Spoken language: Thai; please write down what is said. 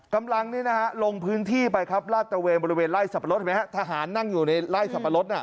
กำลังลงพื้นที่ไปล่าเตอร์เวนบริเวณไล่สับปะรดทหารนั่งอยู่ในไล่สับปะรด